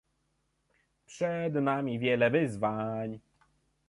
Przed nami wiele wyzwań